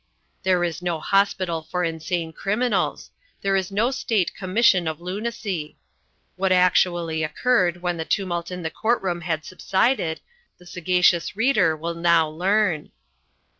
There is no Hospital for Insane Criminals; there is no State commission of lunacy. What actually occurred when the tumult in the court room had subsided the sagacious reader will now learn.